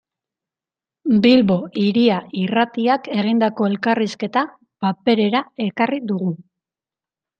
Bilbo Hiria Irratiak egindako elkarrizketa paperera ekarri dugu.